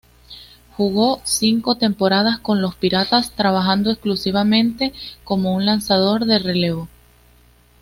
Jugó cinco temporadas con los "Piratas", trabajando exclusivamente como un lanzador de relevo.